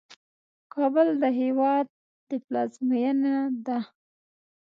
کابل د هیواد پلازمینه ده